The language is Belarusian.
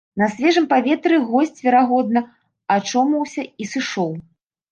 На свежым паветры госць, верагодна, ачомаўся і сышоў.